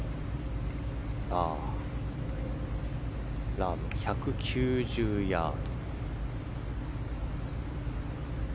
ラーム、１９０ヤード。